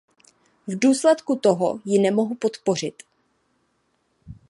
V důsledku toho ji nemohu podpořit.